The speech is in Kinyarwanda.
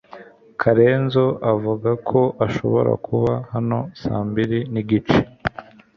Karenzo avuga ko ashobora kuba hano saa mbiri nigice .